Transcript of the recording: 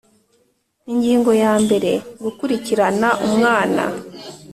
Ingingo yambere Gukurikirana umwana